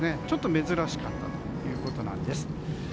ちょっと珍しかったということなんです。